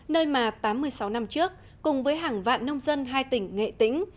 nơi mà tám mươi sáu năm trước cùng với hàng vạn nông dân hai tỉnh